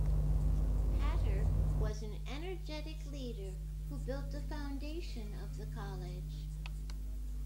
Hatter was an energetic leader who built the foundation of the College.